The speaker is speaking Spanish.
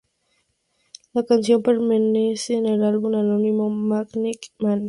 La canción pertenece a su álbum homónimo: "Magnetic Man".